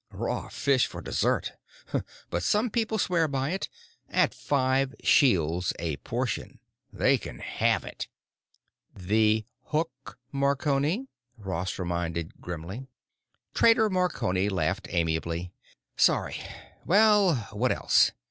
Raw fish for dessert! But some people swear by it—at five shields a portion. They can have it." "The hook, Marconi," Ross reminded grimly. Trader Marconi laughed amiably. "Sorry. Well, what else?